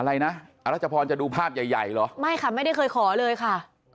อะไรนะอรัชพรจะดูภาพใหญ่ใหญ่เหรอไม่ค่ะไม่ได้เคยขอเลยค่ะ